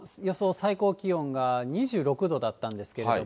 最高気温が２６度だったんですけれども。